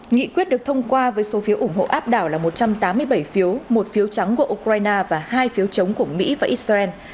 nghị quyết được thông qua với số phiếu ủng hộ áp đảo là một trăm tám mươi bảy phiếu một phiếu trắng của ukraine và hai phiếu chống của mỹ và israel